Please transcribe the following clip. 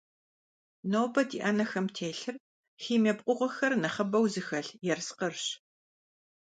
Нобэ ди Ӏэнэхэм телъыр химие пкъыгъуэхэр нэхъыбэу зыхэлъ ерыскъырщ.